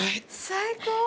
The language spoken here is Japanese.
最高。